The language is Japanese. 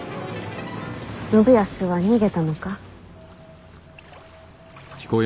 信康は逃げたのか？